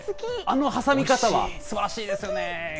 あの挟み方はすばらしいですよね。